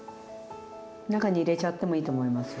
中に入れちゃってもいいと思いますよ。